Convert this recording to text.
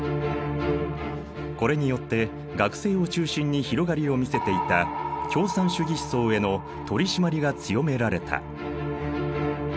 これによって学生を中心に広がりを見せていた共産主義思想への取締りが強められた。